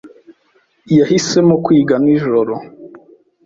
Yahisemo kwiga nijoro.